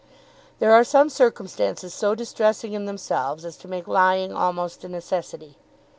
There are some circumstances so distressing in themselves as to make lying almost a necessity.